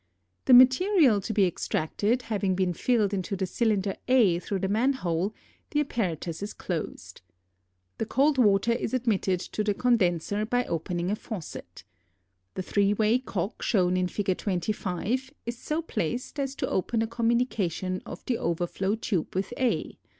The material to be extracted having been filled into the cylinder A through the manhole, the apparatus is closed. The cold water is admitted to the condenser by opening a faucet. The three way cock shown in Fig. 25 is so placed as to open a communication of the overflow tube with A.